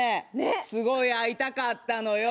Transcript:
すごい会いたかったのよ。